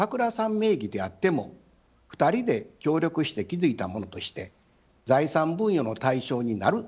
名義であっても２人で協力して築いたものとして財産分与の対象になると考えます。